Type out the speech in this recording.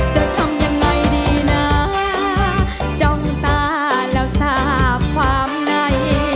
จะทำยังไงดีนะจ้องตาแล้วทราบความใน